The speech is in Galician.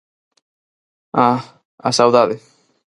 Ah, a saudade.